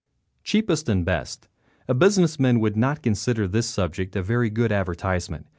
"_ CHEAPEST AND BEST A business man would not consider this subject a very good advertisement.